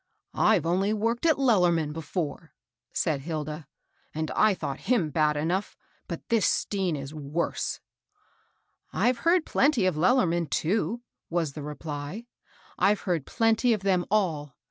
" I've only worked for Lell^man before," said Hilda, ^^ and I thought him bad enough ; but this Stean is worse." " I've heard plenty of Lellerman, too," was the reply. " I've heard plenty of them all.